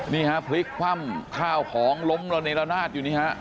นี่ฮะพลิกคว่ำข้าวของล้มระเนรนาศอยู่นี่ฮะ